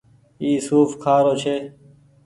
اي سوڦ کآ رو ڇي۔